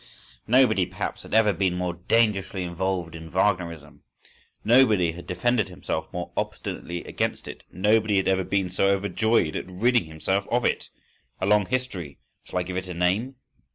Nobody, perhaps, had ever been more dangerously involved in Wagnerism, nobody had defended himself more obstinately against it, nobody had ever been so overjoyed at ridding himself of it. A long history!—Shall I give it a name?